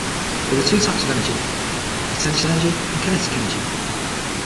There are two types of energy: potential energy and kinetic energy.